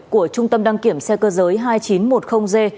của trung tâm đăng kiểm xe cơ giới hai nghìn chín trăm một mươi g